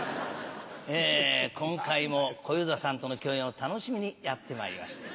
今回も小遊三さんとの共演を楽しみにやってまいりました。